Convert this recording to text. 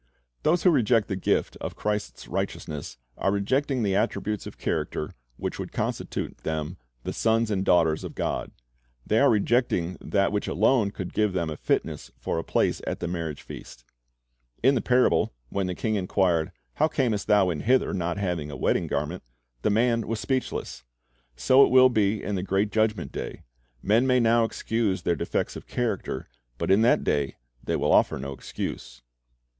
Those who reject the gift of Christ's righteousness are 1 John 3 : i6 Without a Wedding Garment 317 rejecting the attributes of character which would constitute them the sons and daughters of God. They are rejecting that which alone could give them a fitness for a place at the marriage feast. In the parable, when the king inquired, "How camest thou in hither not having a wedding garment?" the man was speechless. So it will be in the great Judgment day. Men may now excuse their defects of character, but in that day they will offer no excuse.